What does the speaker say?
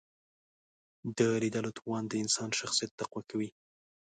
د لیدلو توان د انسان شخصیت تقویه کوي